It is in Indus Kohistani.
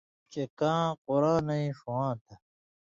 چے کاں قُرانَیں ݜُون٘واں تھہ،